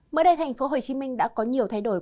mới đây tp hcm đã có nhiều thay đổi